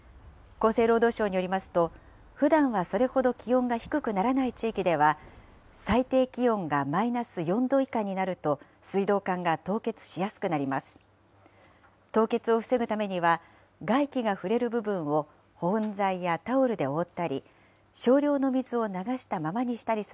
厚生労働省によりますと、ふだんはそれほど気温が低くならない地域では、最低気温がマイナス４度以下になると水道管が凍結しやすくなります。